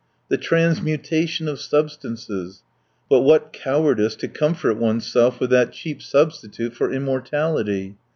The transmutation of substances! But what cowardice to comfort oneself with that cheap substitute for immortality!